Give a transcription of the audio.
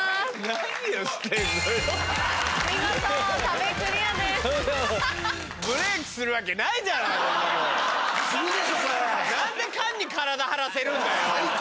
何で菅に体張らせるんだよ！